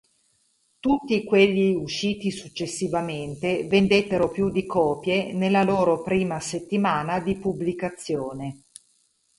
Tutti quelli usciti successivamente vendettero più di copie nella loro prima settimana di pubblicazione.